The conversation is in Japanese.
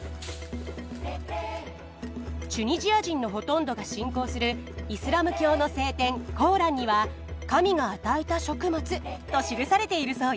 チュニジア人のほとんどが信仰するイスラム教の聖典コーランには「神が与えた食物」と記されているそうよ。